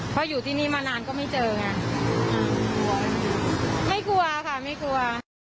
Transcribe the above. เพราะอยู่ที่นี่มานานก็ไม่เจอไงไม่กลัวค่ะไม่กลัว